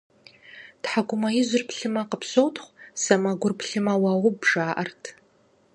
ТхьэкӀумэ ижьыр плъымэ, къыпщотхъу, сэмэгур плъымэ - уауб, жаӀэрт.